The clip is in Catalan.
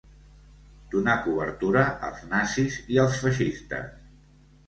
Donar cobertura als nazis i als feixistes